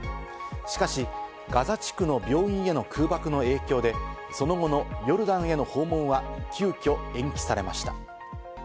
しかし、ガザ地区の病院への空爆の影響で、その後のヨルダンへの訪問は急きょ延期されました。